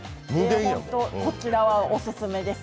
こちらは本当にオススメです。